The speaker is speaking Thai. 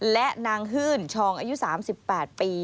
และนางฮื่นชองอายุ๓๘ปี